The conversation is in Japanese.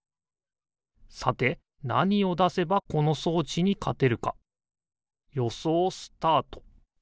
さてなにをだせばこのそうちにかてるかよそうスタート！